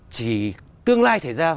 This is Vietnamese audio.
chỉ tương lai xảy ra